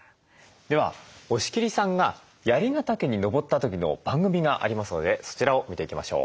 では押切さんが槍ヶ岳に登った時の番組がありますのでそちらを見ていきましょう。